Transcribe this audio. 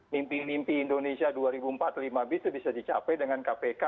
mimpi mimpi indonesia dua ribu empat lima bisa dicapai dengan kpk